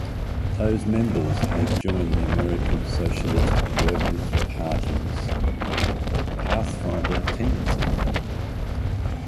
Those members had joined the American Socialist Workers Party's Pathfinder tendency.